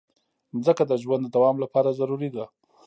مځکه د ژوند د دوام لپاره ضروري ده.